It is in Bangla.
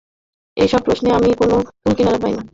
এইসব প্রশ্নের আমি কোনো কূল-কিনারা পাই না।